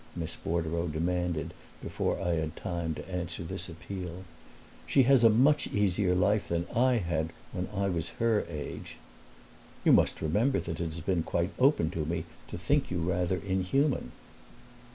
Miss Bordereau demanded before I had time to answer this appeal. "She has a much easier life than I had when I was her age." "You must remember that it has been quite open to me to think you rather inhuman."